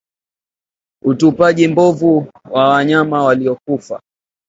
Utupaji mbovu wa wanyama waliokufa